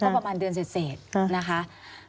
ควิทยาลัยเชียร์สวัสดีครับ